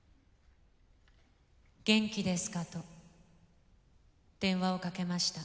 「元気ですか」と電話をかけました。